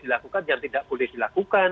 dilakukan yang tidak boleh dilakukan